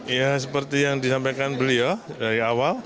ya seperti yang disampaikan beliau dari awal